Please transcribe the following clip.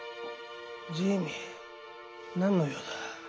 ジミー何の用だ？